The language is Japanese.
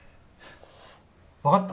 わかった？